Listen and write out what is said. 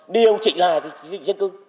điều chỉnh lại cái dân cư